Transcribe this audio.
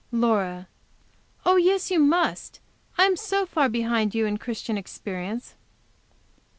Laura. "Oh, yes, you must. I am so far behind you in Christian experience."